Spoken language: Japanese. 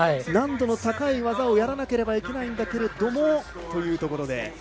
難度の高い技をやらなければいけないんだけどもというところで。